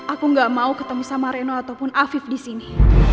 aku gak mau ketemu sama reno ataupun afif di sini